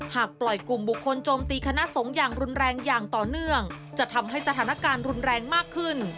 หากปล่อยกลุ่มบุคคลโจมตีคณะสงฆ์อย่างรุนแรงอย่างต่อเนื่องจะทำให้สถานการณ์รุนแรงมากขึ้น